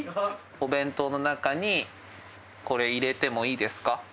お弁当の中にこれ入れてもいいですか？